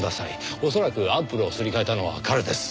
恐らくアンプルをすり替えたのは彼です。